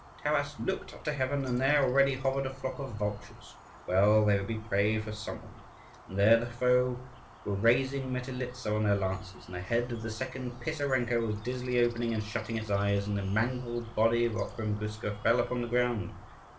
Taras looked up to heaven, and there already hovered a flock of vultures. Well, there would be prey for some one. And there the foe were raising Metelitza on their lances, and the head of the second Pisarenko was dizzily opening and shutting its eyes; and the mangled body of Okhrim Guska fell upon the ground.